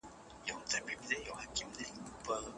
ده یو غوپ وکړ او دروازه یې په لغته ور پورې کړه.